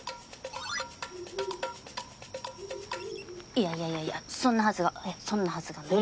いやいやいやいやそんなはずがそんなはずがない。